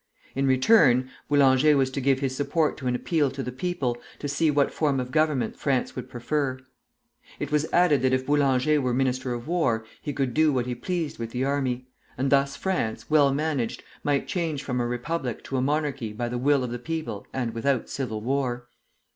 In return, Boulanger was to give his support to an appeal to the people, to see what form of government France would prefer. It was added that if Boulanger were Minister of War, he could do what he pleased with the army; and thus France, well managed, might change from a republic to a monarchy by the will of the people and without civil war.